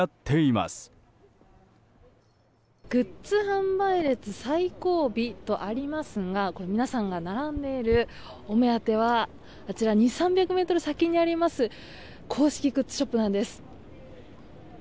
販売列最後尾とありますが皆さんが並んでいるお目当ては２００３００ｍ先にあります公式グッズショップなんです。